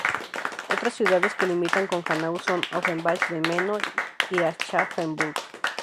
Otras ciudades que limitan con Hanau son Offenbach del Meno y Aschaffenburg.